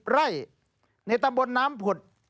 ไร่ในตำบลน้ำผุด